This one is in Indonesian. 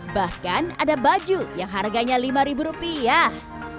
bahkan ada baju yang harganya lima ribu rupiah